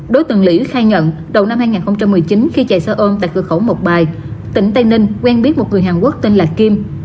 đối tượng lỉ khai nhận đầu năm hai nghìn một mươi chín khi chạy xe ôn tại cửa khẩu mộc bài tỉnh tây ninh quen biết một người hàn quốc tên là kim